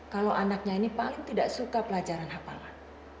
kalau anaknya ini paling tidak suka pelajaran hafalan